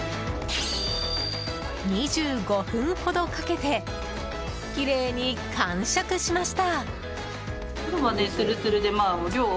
２５分ほどかけてきれいに完食しました。